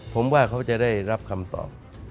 ผมว่าเขาจะได้รับคำตอบ